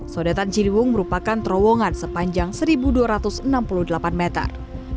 sodetan ciliwung merupakan terowongan sepanjang satu dua ratus enam puluh delapan meter